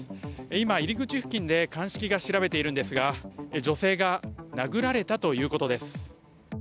今、入り口付近で鑑識が調べているんですが女性が殴られたということです。